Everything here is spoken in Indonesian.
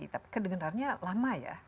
tapi kedenarnya lama ya